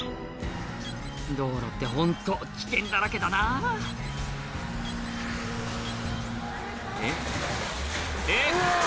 道路ってホント危険だらけだなえっえっ？